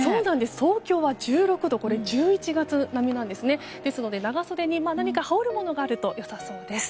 東京は１６度１１月並みですので長袖に、はおるものがあると良さそうです。